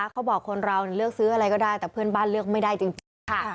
เขาบอกคนเราเลือกซื้ออะไรก็ได้แต่เพื่อนบ้านเลือกไม่ได้จริงค่ะ